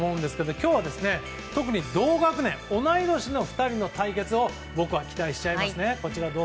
今日は特に同学年同い年の２人の対決を僕は期待します。